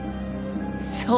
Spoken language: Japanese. そう。